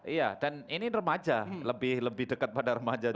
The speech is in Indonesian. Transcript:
iya dan ini remaja lebih dekat pada remaja